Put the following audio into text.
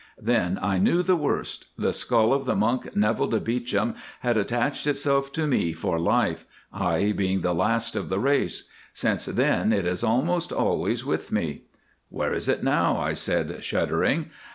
Then I knew the worst. The skull of the monk Neville de Beauchamp had attached itself to me for life, I being the last of the race. Since then it is almost always with me." "Where is it now?" I said, shuddering.